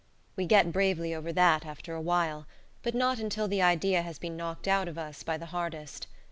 We get bravely over that after awhile; but not until the idea has been knocked out of us by the hardest.